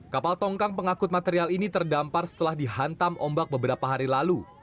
kapal tongkang pengakut material ini terdampar setelah dihantam ombak beberapa hari lalu